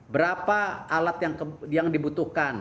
berapa alat yang dibutuhkan